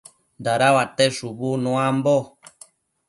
Dadauate shubu nuambo